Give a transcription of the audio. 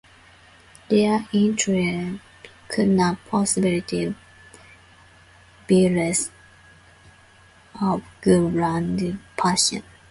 Their intrigue could not possibly be less of a 'grand passion.